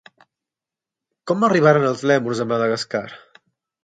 Com arribaren els lèmurs a Madagascar?